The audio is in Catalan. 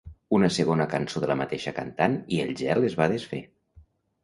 Una segona cançó de la mateixa cantant i el gel es va desfer.